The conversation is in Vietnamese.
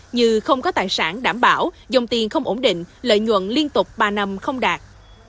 như không có tài sản đảm bảo dòng tiền không ổn định lợi nhuận liên tục ba năm không đạt